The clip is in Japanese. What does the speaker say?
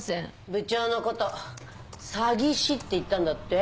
部長の事詐欺師って言ったんだって？